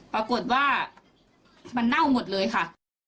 ปรากฏว่ามันเน่าหมดเลยค่ะ